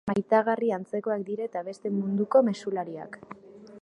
Maitagarri antzekoak dira eta beste munduko mezulariak.